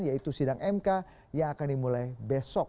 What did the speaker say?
yaitu sidang mk yang akan dimulai besok